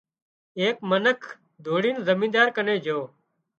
ايڪ منک ڌوڙين زمينۮار ڪنين جھو